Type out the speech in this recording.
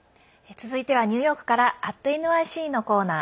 続いてはニューヨークから「＠ｎｙｃ」のコーナー。